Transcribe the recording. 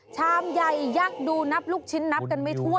ชามใหญ่ยักษ์ดูนับลูกชิ้นนับกันไม่ทั่ว